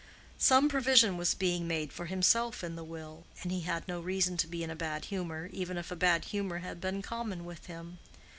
Some provision was being made for himself in the will, and he had no reason to be in a bad humor, even if a bad humor had been common with him.